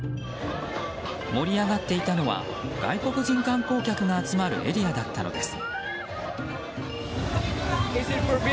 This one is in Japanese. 盛り上がっていたのは外国人観光客が集まるエリアだったのです。